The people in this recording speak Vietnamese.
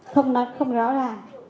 không nói không rõ ràng